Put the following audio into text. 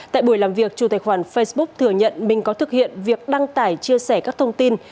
tại buổi làm việc chủ tài khoản facebook thừa nhận mình có thực hiện việc đăng tải chia sẻ các thông tin